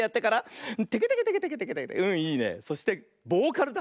そしてボーカルだ。